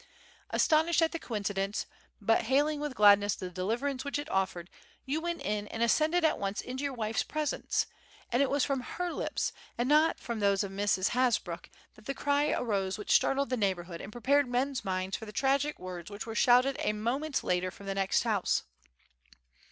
"Astonished at the coincidence, but hailing with gladness the deliverance which it offered, you went in and ascended at once into your wife's presence; and it was from her lips, and not from those of Mrs. Hasbrouck, that the cry arose which startled the neighbourhood and prepared men's minds for the tragic words which were shouted a moment later from the next house.